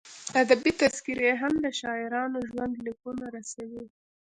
ادبي تذکرې هم د شاعرانو ژوندلیکونه رسوي.